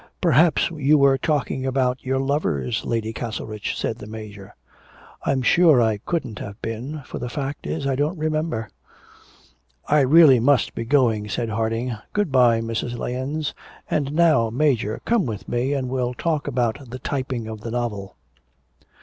'Perhaps you were talking about your lovers, Lady Castlerich,' said the Major. 'I'm sure I couldn't have been, for the fact is I don't remember.' 'I really must be going,' said Harding; 'goodbye, Mrs. Lahens. And now, Major, come with me and we'll talk about the typing of the novel.'